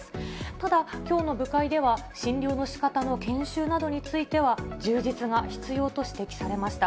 ただ、きょうの部会では、診療のしかたの研修などについては、充実が必要と指摘されました。